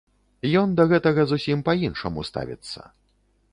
Ён да гэтага зусім па-іншаму ставіцца.